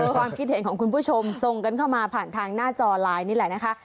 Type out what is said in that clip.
ความคิดเห็นของคุณผู้ชมส่งกันเข้ามาผ่านทางหน้าจอไลน์นี่แหละนะคะ